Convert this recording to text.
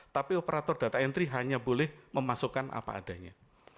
tapi operator data entry hanya boleh memasukkan apa adanya